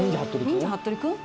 『忍者ハットリくん』？